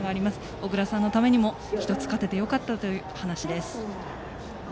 小倉さんのためにも１つ勝ってよかったという話です。